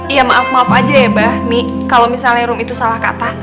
iya maaf maaf aja ya bah mi kalau misalnya room itu salah kata